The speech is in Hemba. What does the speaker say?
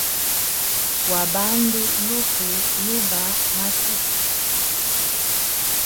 Wa bandu, lufu, luba, masusu.